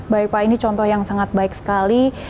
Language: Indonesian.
baik pak ini contoh yang sangat baik sekali